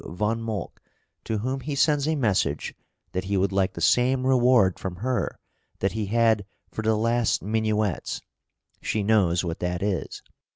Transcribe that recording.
von Mölk, to whom he sends a message that he would like the same reward from her that he had for the last minuets; she knows what that is.